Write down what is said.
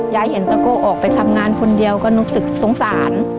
ยายเห็นตะโก้ออกไปทำงานคนเดียวก็รู้สึกสงสาร